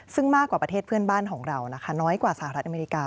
ซึ่งมากกว่าประเทศเพื่อนบ้านของเรานะคะน้อยกว่าสหรัฐอเมริกา